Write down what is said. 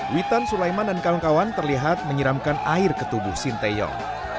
witan sulaiman dan kawan kawan terlihat menyiramkan air ke tubuh sinteyong